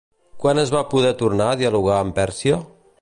Quan es va poder tornar a dialogar amb Pèrsia?